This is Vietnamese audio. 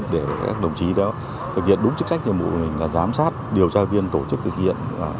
để các đồng chí đều thực hiện đúng chức trách cho mỗi mình là giám sát điều tra viên tổ chức thực hiện